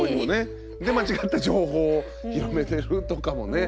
で間違った情報を広めてるとかもね。